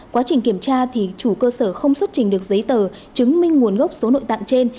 quá trình kiểm tra thì chủ cơ sở không xuất trình được giấy tờ chứng minh nguồn gốc số nội tạng trên